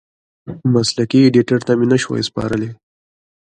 مسلکي ایډېټر ته مې نشوای سپارلی.